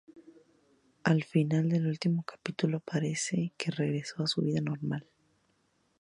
Al final del último capítulo parece que regresó a su vida normal.